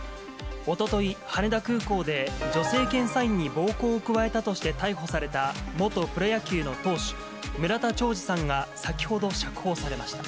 おととい、羽田空港で、女性検査員に暴行を加えたとして逮捕された元プロ野球の投手、村田兆治さんが、先ほど釈放されました。